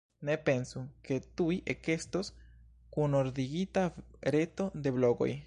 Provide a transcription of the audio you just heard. Ne pensu, ke tuj ekestos kunordigita reto de blogoj.